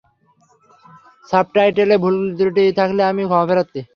সাবটাইটেলে ভুলত্রুটি থাকলে আমি ক্ষমাপ্রার্থী।